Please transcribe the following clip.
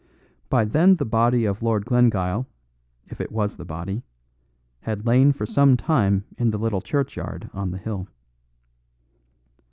By then the body of Lord Glengyle (if it was the body) had lain for some time in the little churchyard on the hill.